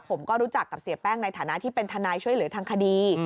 ผมก็รู้จักกับเสียแป้งในฐานะที่เป็นทนายช่วยเหลือทางคดี